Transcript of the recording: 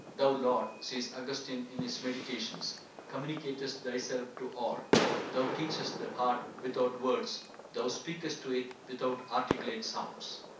"Thou Lord," says Augustine in his Meditations, "communicatest thyself to all: thou teachest the heart without words; thou speakest to it without articulate sounds."